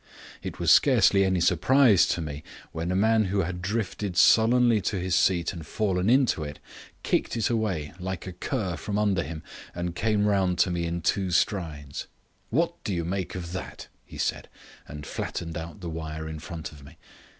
It was scarcely any surprise to me when a man who had drifted sullenly to his seat and fallen into it, kicked it away like a cur from under him and came round to me in two strides. "What do you make of that?" he said, and flattened out the wire in front of me.